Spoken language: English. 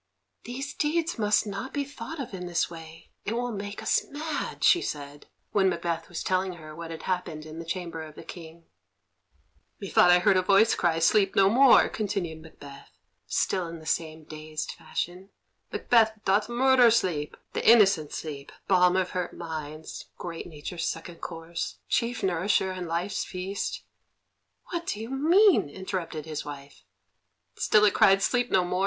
"These deeds must not be thought of in this way; it will make us mad," she said, when Macbeth was telling her what had happened in the chamber of the King. [Illustration: "Infirm of purpose! Give me the daggers."] "Methought I heard a voice cry, 'Sleep no more!'" continued Macbeth, still in the same dazed fashion: "'Macbeth doth murder sleep' the innocent sleep, balm of hurt minds, great nature's second course, chief nourisher in life's feast " "What do you mean?" interrupted his wife. "Still it cried 'Sleep no more!